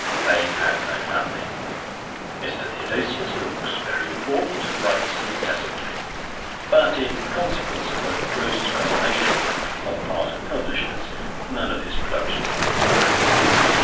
They have no family. Mr. Theodosius looks very important, and writes incessantly ; but, in consequence of a gross combination on the part of publishers, none of his productions appear in print.